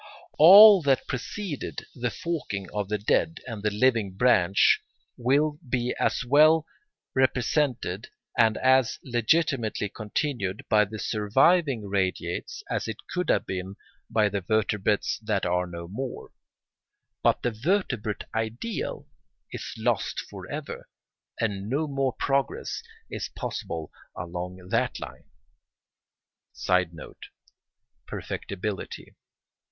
All that preceded the forking of the dead and the living branch will be as well represented and as legitimately continued by the surviving radiates as it could have been by the vertebrates that are no more; but the vertebrate ideal is lost for ever, and no more progress is possible along that line. [Sidenote: Perfectibility.